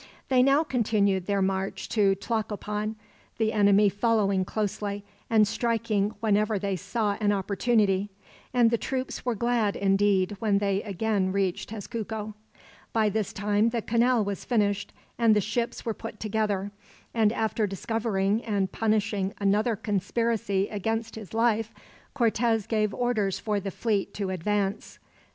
They now continued their march to Tlacopan, the enemy following closely, and striking whenever they saw an opportunity; and the troops were glad, indeed, when they again reached Tezcuco. By this time the canal was finished and the ships were put together; and after discovering and punishing another conspiracy against his life, Cortez gave orders for the fleet to advance.